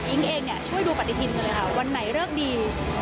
อิ๊งเองช่วยดูปฏิทิมเลยวันไหนเลือกดี